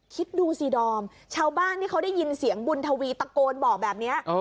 คิดดูสิดอมชาวบ้านที่เขาได้ยินเสียงบุญทวีตะโกนบอกแบบนี้